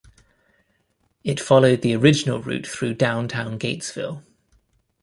It followed the original route through downtown Gatesville.